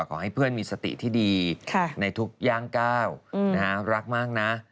ขอให้เพื่อนมีสติที่ดีในทุกย่างก้าวรักมากนะ